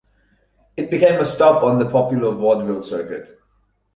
It became a stop on the popular vaudeville circuit.